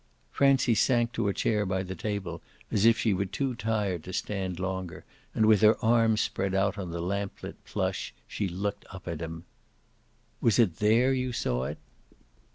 Francie sank to a chair by the table as if she were too tired to stand longer, and with her arms spread out on the lamplit plush she looked up at him. "Was it there you saw it?"